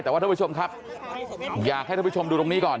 แต่ว่าท่านผู้ชมครับอยากให้ท่านผู้ชมดูตรงนี้ก่อน